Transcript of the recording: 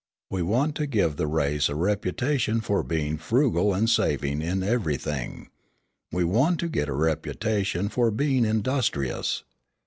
We want to give the race a reputation for being frugal and saving in everything. Then we want to get a reputation for being industrious.